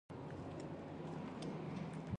غربت، بېکاري او د عاید ناسم ویش په نظر کې ونیول شول.